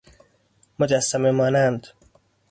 مجسمه مانند